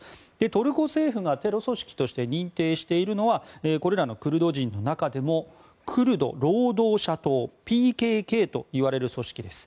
トルコ政府がテロ組織として認定しているのはこれらのクルド人の中でもクルド労働者党・ＰＫＫといわれる組織です。